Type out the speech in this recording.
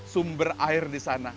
sumber air di sana